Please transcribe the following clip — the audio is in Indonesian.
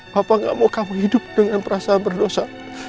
bapak gak mau kamu hidup dengan perasaan berdosa